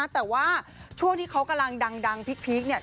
แต่ว่าช่วงที่เขากำลังดังพีคเนี่ย